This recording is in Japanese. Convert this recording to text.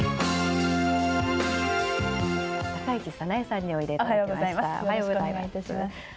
高市早苗さんにおいでいただきました。